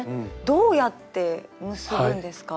どうやって結ぶんですか？